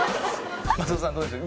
松尾さんどうでした？